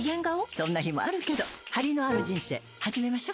そんな日もあるけどハリのある人生始めましょ。